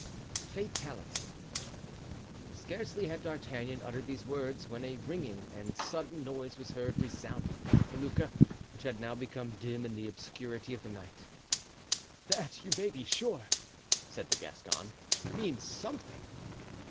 Fatality. Scarcely had D'Artagnan uttered these words when a ringing and sudden noise was heard resounding through the felucca, which had now become dim in the obscurity of the night. "That, you may be sure," said the Gascon, "means something."